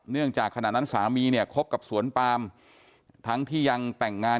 จากขณะนั้นสามีเนี่ยคบกับสวนปามทั้งที่ยังแต่งงาน